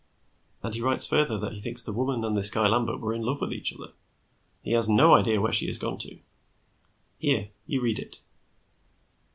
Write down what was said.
And he writes further that he thinks the woman and this guy Lambert were in love with each other. He has no idea where she has gone to. Here, you read it."